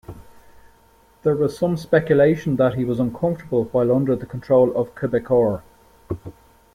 There was some speculation that he was uncomfortable while under the control of Quebecor.